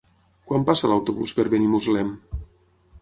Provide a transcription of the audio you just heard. Quan passa l'autobús per Benimuslem?